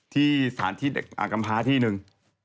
ที่สถานที่อากรรมภาพที่หนึ่ง